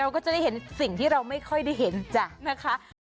ก็จะได้เห็นสิ่งที่เราไม่ค่อยได้เห็นจ้ะนะคะ